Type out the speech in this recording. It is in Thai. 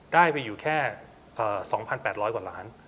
ได้ไปอยู่แค่๒๘๐๐กว่าล้าน